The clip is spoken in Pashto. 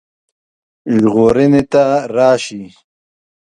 ژغورني ته راشي.